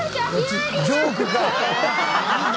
ジョークか！